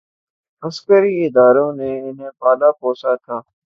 عسکری اداروں نے انہیں پالا پوسا تھا۔